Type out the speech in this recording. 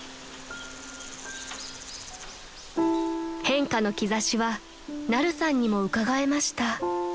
［変化の兆しはナルさんにもうかがえました］